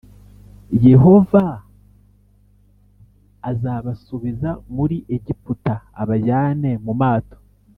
yehova azabasubiza muri egiputa abajyanye mu mato,